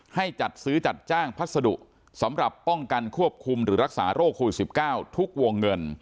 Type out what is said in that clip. ให้จัดซื้อจัดจ้างพัสดุสำหรับป้องกันควบคุมหรือรักษาโรคโควิด๑๙ทุกวงเงิน